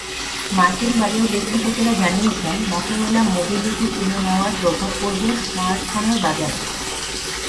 মার্কিন বাজার বিশ্লেষকেরা জানিয়েছেন, মটোরোলা মোবিলিটি কিনে নেওয়ার প্রভাব পড়বে স্মার্টফোনের বাজারে।